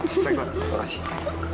baik banget makasih